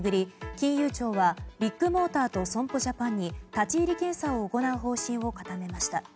金融庁はビッグモーターと損保ジャパンに立ち入り検査を行う方針を固めました。